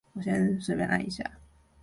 老街溪河岸廣場